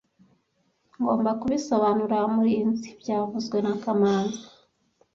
Ngomba kubisobanurira Murinzi byavuzwe na kamanzi